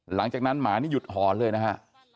หลังจากนั้นหมานี่หยุดหอนเลยนะฮะ